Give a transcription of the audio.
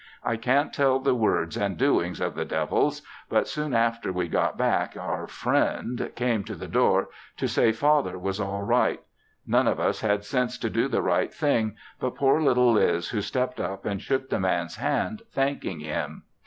I can't tell the words and doings of the Devils, but soon after we got back, our "friend" came to the door to say Father was all right; none of us had sense to do the right thing, but poor little Liz who stepped up and shook the man's hand thanking him.